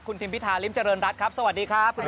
สวัสดีครับสวัสดีครับสวัสดีครับสวัสดีทุกท่านด้วยนะครับ